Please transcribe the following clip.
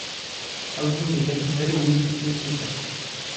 Alzenira Araújo da Silva